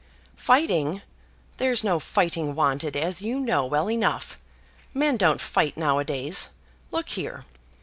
"Fighting! There's no fighting wanted, as you know well enough. Men don't fight nowadays. Look here!